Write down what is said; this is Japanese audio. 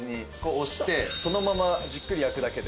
押してそのままじっくり焼くだけで。